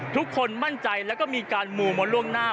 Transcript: ทุกคนมั่นใจแล้วก็มีการหมู่มาล่วงหน้า